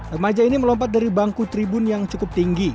remaja ini melompat dari bangku tribun yang cukup tinggi